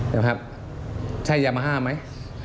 ใช่ยามาห้าไหม